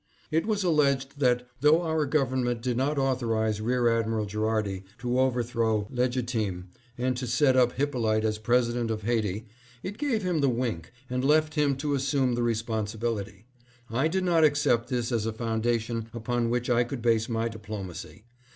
It was alleged that, though our government did not authorize Rear Admi 738 CLOSE OF THE INTERVIEW. ral Gherardi to overthrow Legitime and to set up Hyp polite as President of Haiti, it gave him the wink, and left him to assume the responsibility. I did not accept this as a foundation upon which I could base my diplo macy.